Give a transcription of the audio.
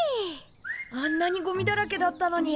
あんなにゴミだらけだったのに。